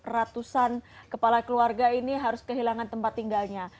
ratusan kepala keluarga ini harus kehilangan tempat tinggalnya